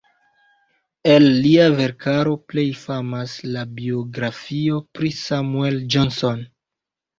El lia verkaro plej famas la biografio pri Samuel Johnson.